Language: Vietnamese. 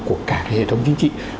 của cả hệ thống chính trị